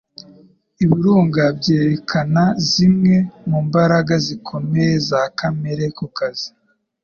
Ibirunga byerekana zimwe mu mbaraga zikomeye za kamere ku kazi